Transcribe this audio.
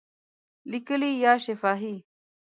لیکلي یا شفاهی؟